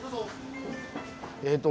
えっと